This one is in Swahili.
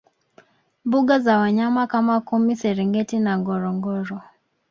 Mbuga za wanyama kama mikumi serengeti na ngorongoro